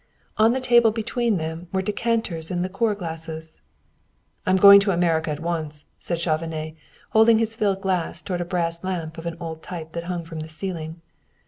On the table between them were decanters and liqueur glasses. "I am going to America at once," said Chauvenet, holding his filled glass toward a brass lamp of an old type that hung from the ceiling.